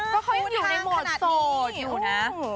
มันไงกลางขนาดนี้